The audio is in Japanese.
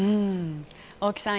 大木さん